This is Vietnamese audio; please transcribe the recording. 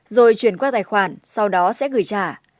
rồi chuyển qua tài khoản sau đó sẽ gửi trả